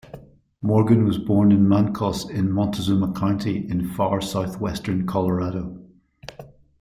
Morgan was born in Mancos in Montezuma County in far southwestern Colorado.